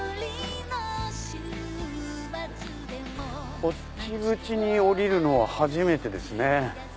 こっち口に降りるのは初めてですね。